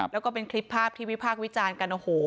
แล้วก็เป็นคลิปภาพที่วิพากษ์วิจารณ์กันโอ้โห